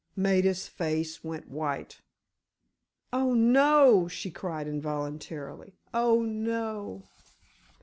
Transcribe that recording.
'" Maida's face went white. "Oh, no!" she cried, involuntarily. "Oh, no!"